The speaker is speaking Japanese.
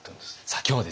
今日はですね